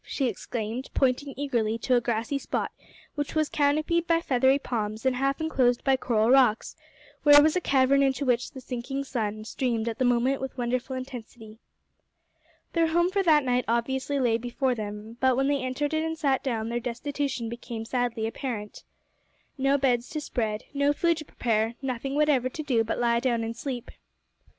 she exclaimed, pointing eagerly to a grassy spot which was canopied by feathery palms, and half enclosed by coral rocks, where was a cavern into which the sinking sun streamed at the moment with wonderful intensity. Their home for that night obviously lay before them, but when they entered it and sat down, their destitution became sadly apparent. No beds to spread, no food to prepare, nothing whatever to do but lie down and sleep.